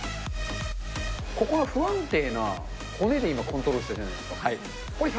ここの不安定な骨で今、コントロールしてるじゃないですか。